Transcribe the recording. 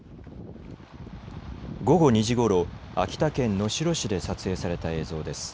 午後２時ごろ秋田県能代市で撮影された映像です。